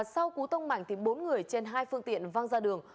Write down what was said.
sau cú tông mảnh thì bốn người trên hai phương tiện văng ra đường